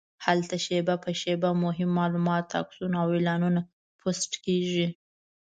هلته شېبه په شېبه مهم معلومات، عکسونه او اعلانونه پوسټ کېږي.